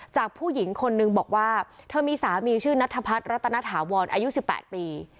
ผู้หญิงคนนึงบอกว่าเธอมีสามีชื่อนัทพัฒนรัตนถาวรอายุ๑๘ปี